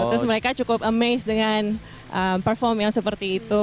terus mereka cukup amazed dengan perform yang seperti itu